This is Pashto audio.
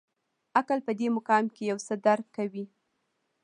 عقل په دې مقام کې یو څه درک کوي.